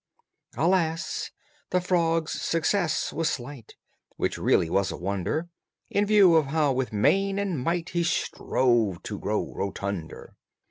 Alas! the frog's success was slight, Which really was a wonder, In view of how with main and might He strove to grow rotunder!